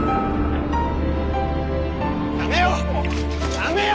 やめよ。